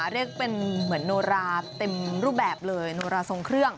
เรียกเป็นเหมือนโนราเต็มรูปแบบเลยโนราทรงเครื่อง